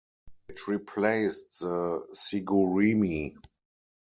It replaced the Sigurimi.